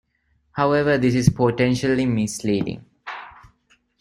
However, this is potentially misleading.